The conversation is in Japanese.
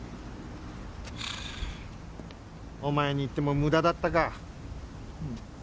お前に言っても無駄だったか。